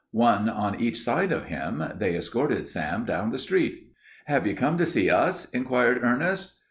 One on each side of him, they escorted Sam down the street. "Have you come to see us?" inquired Ernest.